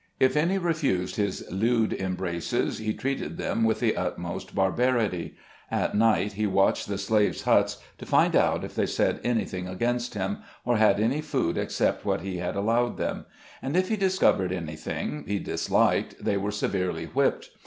If any refused his lewd embraces, he treated them with the utmost barbarity. At night, he watched the slaves' huts, to find out if they said anything against him, or had any food except what he had allowed them ; and if he discovered anything he dis liked, they were severely whipped.